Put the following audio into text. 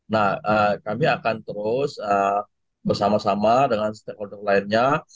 nah kami akan terus bersama sama dengan stakeholder lainnya